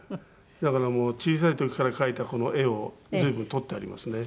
だからもう小さい時から描いたこの絵を随分取ってありますね。